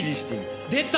出た！